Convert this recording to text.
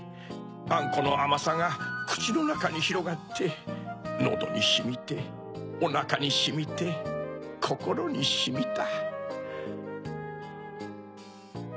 あんこのあまさがくちのなかにひろがってのどにしみておなかにしみてこころにしみた。